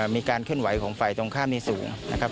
มีการเคลื่อนไหวของฝ่ายตรงข้ามนี้สูงนะครับ